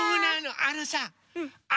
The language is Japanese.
あのさあ